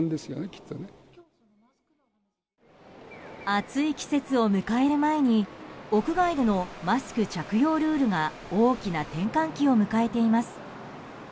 暑い季節を迎える前に屋外でのマスク着用ルールが大きな転換期を迎えています。